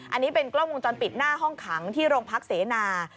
อันนี้เป็นกล้องวงจรปิดหน้าห้องขังที่โรงพักเสนา